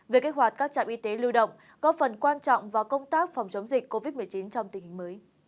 về kích hoạt các trạm y tế lưu động góp phần quan trọng vào công tác phòng chống dịch covid một mươi chín trong tình hình mới